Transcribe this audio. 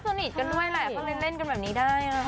สนิทกันด้วยแหละก็เลยเล่นกันแบบนี้ได้ค่ะ